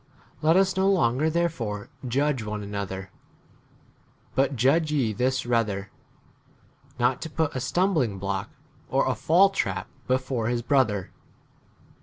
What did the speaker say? Let us no longer therefore judge one another ; but judge ye this rather, not to put a stumblingblock or a fall trap be 14 fore his brother.